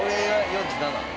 ４７。